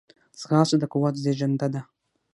ځغاسته د قوت زیږنده ده